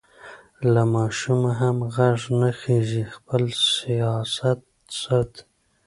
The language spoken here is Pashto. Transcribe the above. له ماشومه هم غږ نه خېژي؛ خپل سیاست ساتي.